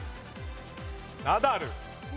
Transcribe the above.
ナダル。